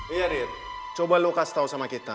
iya rit coba lu kasih tau sama kita